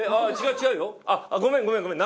あっごめんごめんごめん！